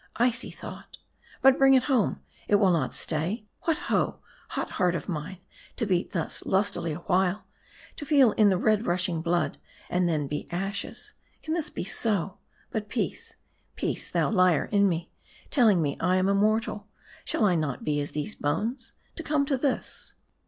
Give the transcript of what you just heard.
Icy thought ! But bring it home, it will not stay. What ho, hot heart of mine : to beat thus lustily awhile, to feel in the red rushing blood, and then be ashes, can this be so ? But peace, peace, thou liar in me, telling .me I am immortal shall I not be as these bones ? To come to this